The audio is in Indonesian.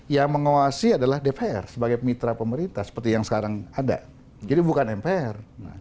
yang mengawasi adalah dpr sebagai mitra pemerintah seperti yang sekarang ada jadi bukan mpr